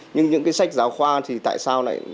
nhưng những cái sách giáo khoa thì tại sao lại